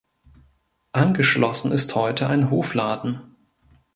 Angeschlossen ist heute ein Hofladen.